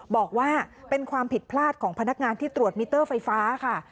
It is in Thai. บอกว่าเป็นความผิดพลาดของพนักงานที่ตรวจมิเตอร์ไฟฟ้าค่ะ